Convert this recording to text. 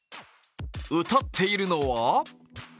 歌っているのは？